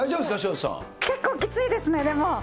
結構、きついですね、でも。